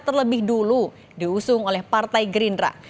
terlebih dulu diusung oleh partai gerindra